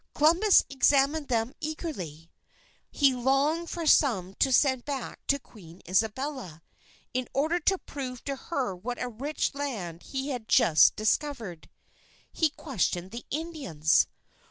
Columbus examined them eagerly. He longed for some to send back to Queen Isabella, in order to prove to her what a rich land he had just discovered. He questioned the Indians.